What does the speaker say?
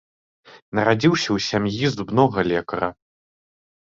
Нарадзіўся ў сям'і зубнога лекара.